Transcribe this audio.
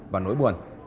và nỗi buồn